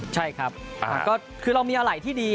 ใช่ครับก็คือเรามีอะไรที่ดี